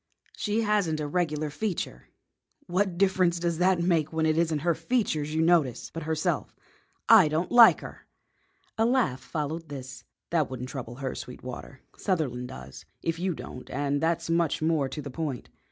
"She hasn't a regular feature." "What difference does that make when it isn't her features you notice, but herself?" "I don't like her." A laugh followed this. "That won't trouble her, Sweetwater. Sutherland does, if you don't, and that's much more to the point.